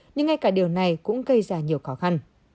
nhưng ngay cả điều này cũng gây ra nhiều khó khăn